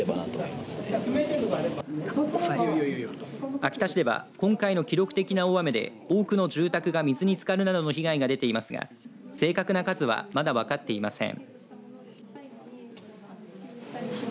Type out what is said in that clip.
秋田市では今回の記録的な大雨で多くの住宅が水につかるなどの被害が出ていますが正確な数はまだ分かっていません。